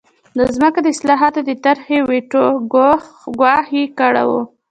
د ځمکو د اصلاحاتو د طرحې ویټو ګواښ یې کړی و.